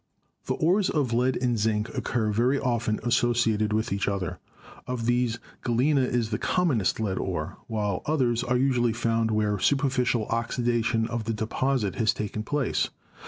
The ores of lead and zinc occur very often associated with each other. Of these Galena is the commonest lead ore, while others are usually found where superficial oxida tion of the deposit has taken place.